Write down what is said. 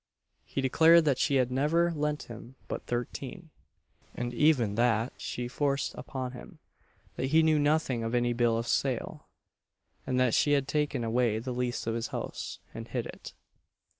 He declared that she had never lent him but 13_l._, and even that she forced upon him; that he knew nothing of any bill of sale, and that she had taken away the lease of his house, and hid it.